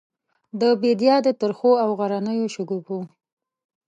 د بیدیا د ترخو او غرنیو شګوفو،